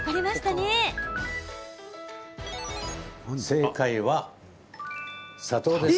正解は砂糖です。